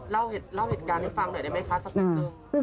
เล่าเหตุการณ์ที่ฟังหน่อยได้ไหมคะสักครู่